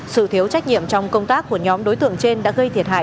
sự thiếu trách nhiệm trong công tác của nhóm đối tượng trên đã gây thiệt hại